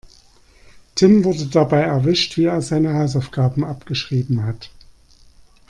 Tim wurde dabei erwischt, wie er seine Hausaufgaben abgeschrieben hat.